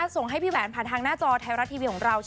ส่งให้พี่แหวนผ่านทางหน้าจอไทยรัฐทีวีของเรา